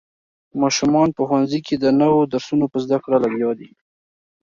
ماشومان په ښوونځي کې د نوو درسونو په زده کړه لګیا دي.